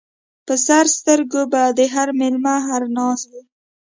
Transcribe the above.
پر سر سترګو به د هر مېلمه هر ناز و